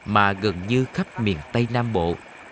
mà gần như khắp miền tây nam bộ